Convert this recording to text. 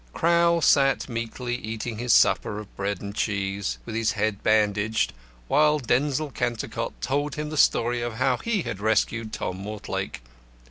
Crowl sat meekly eating his supper of bread and cheese, with his head bandaged, while Denzil Cantercot told him the story of how he had rescued Tom Mortlake.